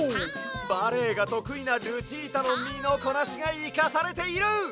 バレエがとくいなルチータのみのこなしがいかされている！